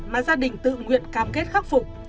mà gia đình tự nguyện cam kết khắc phục